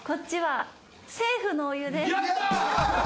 やった！